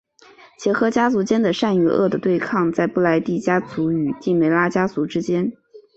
结合家族间的善与恶的对抗在布莱帝家族与帝梅拉家族之间。